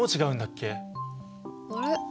あれ？